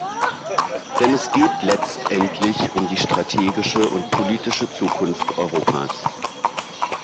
Denn es geht letztendlich um die strategische und politische Zukunft Europas.